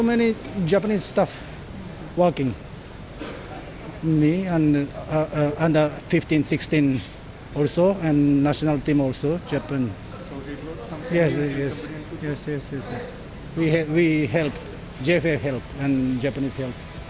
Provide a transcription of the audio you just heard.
pembinaan sepak bola jepang